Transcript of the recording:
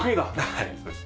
はいそうです。